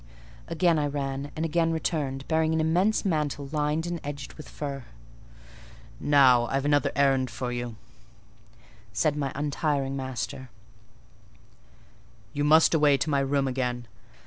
Again I ran, and again returned, bearing an immense mantle lined and edged with fur. "Now, I've another errand for you," said my untiring master; "you must away to my room again.